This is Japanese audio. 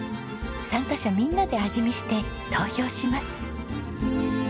参加者みんなで味見して投票します。